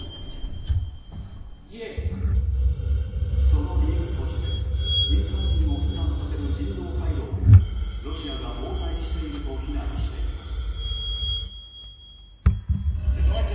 その理由として民間人を避難させる人道回廊をロシアが妨害していると非難しています。